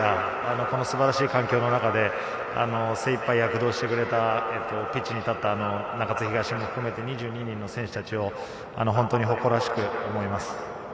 素晴らしい環境の中で精いっぱい躍動してくれた、ピッチに立った中津東も含めて２２人の選手たちを本当に誇らしく思います。